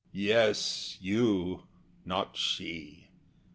Yes, you, not she.